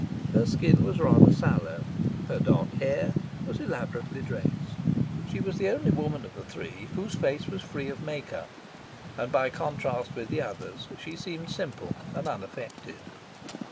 Her skin was rather sallow. Her dark hair was elaborately dressed. She was the only woman of the three whose face was free of make up, and by contrast with the others she seemed simple and unaffected.